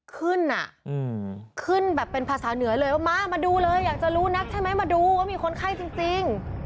ขึ้นอ่ะขึ้นแบบเป็นภาษาเหนือเลยว่ามามาดูเลยอยากจะรู้นักใช่ไหมมาดูว่ามีคนไข้จริง